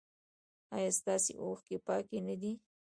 ایا ستاسو اوښکې پاکې نه دي؟